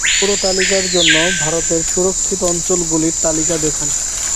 পুরো তালিকার জন্য, ভারতের সুরক্ষিত অঞ্চলগুলির তালিকা দেখুন।